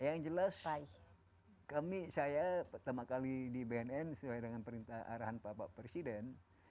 yang jelas kami saya pertama kali di bnn sesuai dengan perintah arahan bapak presiden